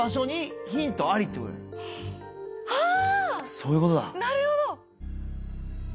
そういうことだ。